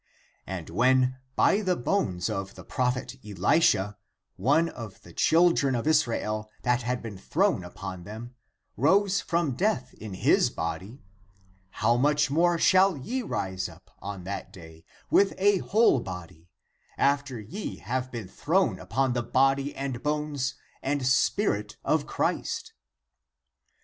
32. And when by the bones of the prophet Elisha, one of the children of Israel that had been thrown upon them, rose from death in his body, how much more shall ye rise up on that day with a whole body, after ye have been thrown upon the body and bones and Spirit of Christ.